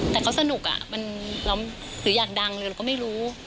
แต่เขาสนุกหรืออยากดังเลยเราก็ไม่รู้